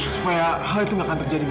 supaya hal itu gak akan terjadi lagi